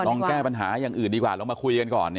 แก้ปัญหาอย่างอื่นดีกว่าลองมาคุยกันก่อน